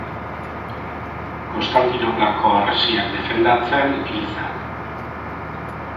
Konstantinoplako harresiak defendatzen hil zen.